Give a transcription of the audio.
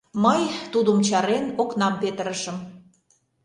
Мый, тудым чарен, окнам петырышым.